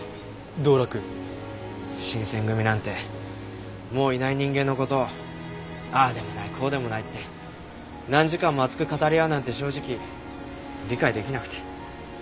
新選組なんてもういない人間の事をああでもないこうでもないって何時間も熱く語り合うなんて正直理解出来なくて。